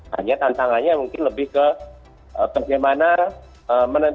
hanya tantangannya mungkin lebih ke bagaimana menentukan